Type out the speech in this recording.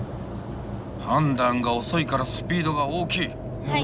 判断が遅いからスピードが大きい。